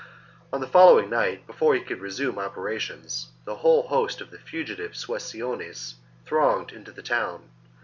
On the following night, before he could resume opera tions, the whole host of the fugitive Suessiones thronged into the town.